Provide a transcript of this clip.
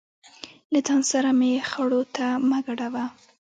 له ځان سره مې خړو ته مه ګډوه.